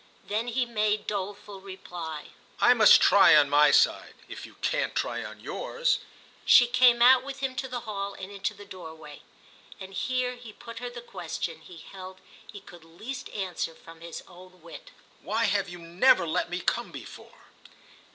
Then he made doleful reply: "I must try on my side—if you can't try on yours." She came out with him to the hall and into the doorway, and here he put her the question he held he could least answer from his own wit. "Why have you never let me come before?"